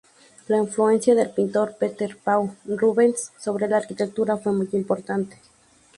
La influencia del pintor Peter Paul Rubens sobre la arquitectura fue muy importante.